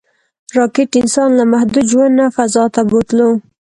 راکټ انسان له محدود ژوند نه فضا ته بوتلو